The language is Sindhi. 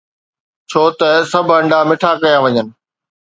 ڇو نه سڀ انڊا مٺا ڪيا وڃن؟